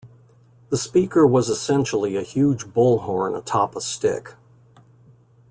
The speaker was essentially a huge bullhorn atop a stick.